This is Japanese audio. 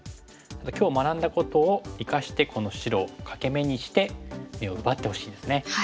今日学んだことを生かしてこの白を欠け眼にして眼を奪ってほしいですね。